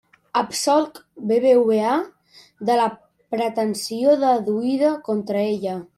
Absolc BBVA de la pretensió deduïda contra ella.